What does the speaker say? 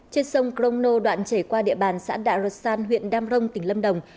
trên sông crono đoạn chảy qua địa bàn xã đạ rột san huyện đam rông tỉnh lâm đồng